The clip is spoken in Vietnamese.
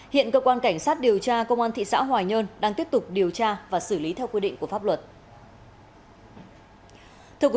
hiện cơ quan cảnh sát điều tra công an thị xã hoài nhơn đang tiếp tục điều tra và xử lý theo quy định của pháp luật